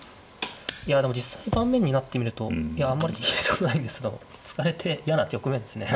いやでも実際盤面になってみるとあんまり気にしたことないんですけど突かれて嫌な局面ですね。